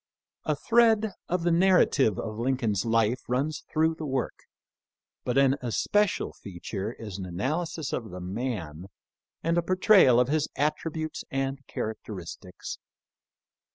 A thread of the narrative of Lincoln's life runs through the work, but an especial feature is an analysis of the man and a portrayal of his attributes and characteristics.